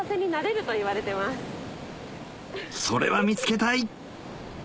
それは見つけたい！